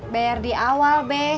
bayar di awal be